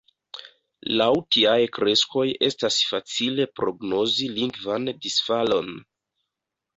Laŭ tiaj kreskoj estas facile prognozi lingvan disfalon.